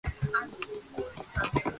უარყოფითი მხოლოდ ერთმა.